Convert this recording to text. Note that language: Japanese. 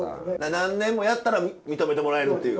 何年もやったら認めてもらえるっていう。